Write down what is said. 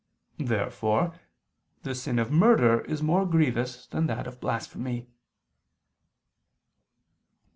Therefore the sin of murder is more grievous than that of blasphemy.